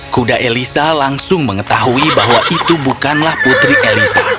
kuda eliza langsung mengetahui bahwa itu bukanlah putri eliza